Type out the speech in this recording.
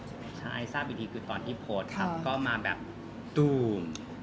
ไม่มีค่ะครับใช่ทราบปุ๊บคือตอนที่โพสธ์ครับก็มาแบบตูม